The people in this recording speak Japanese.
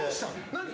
何？